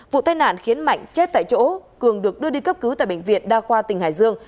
vụ tai nạn khiến mạnh chết tại chỗ cường được đưa đi cấp cứu tại bệnh viện đa khoa tỉnh hải dương